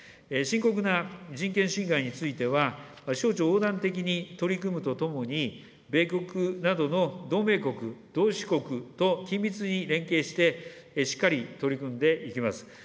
深刻な人権侵害については、省庁横断的に取り組むとともに、米国などの同盟国、同志国と緊密に連携して、しっかり取り組んでいきます。